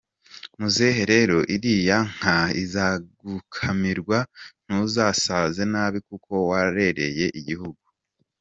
Muzehe rero iriya nka izagukamirwe ntuzasaze nabi kuko warereye igihugu”.